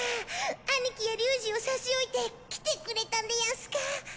兄貴や龍二を差し置いて来てくれたんでヤンスか？